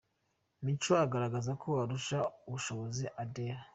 Micho agaragaza ko arusha ubushobozi Adel.